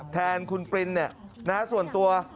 แทนคุณปรินส่วนตัว